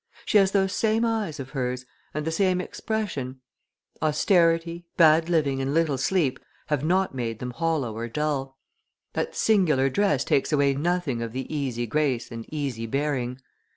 She has those same eyes of hers, and the same expression; austerity; bad living, and little sleep have not made them hollow or dull; that singular dress takes away nothing of the easy grace and easy bearing.